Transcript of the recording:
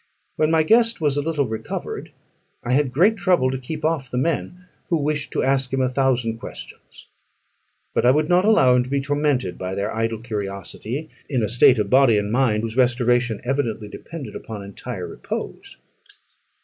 When my guest was a little recovered, I had great trouble to keep off the men, who wished to ask him a thousand questions; but I would not allow him to be tormented by their idle curiosity, in a state of body and mind whose restoration evidently depended upon entire repose.